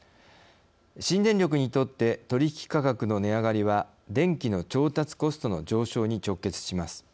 新電力にとって取引価格の値上がりは電気の調達コストの上昇に直結します。